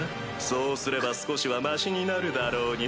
そうすれば少しはマシになるだろうに。